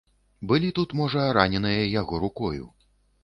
Былі тут, можа, раненыя яго рукою.